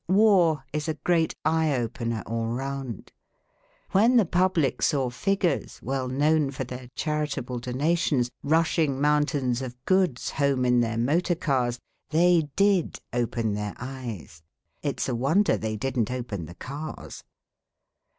War is a great eye opener all round. When the public saw figures, well known for their charitable donations, rushing moun tains of goods home in their motor cars, they did open their eyes. It 's a wonder they didn't open the cars.